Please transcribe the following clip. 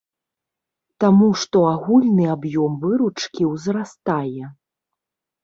Таму што агульны аб'ём выручкі ўзрастае.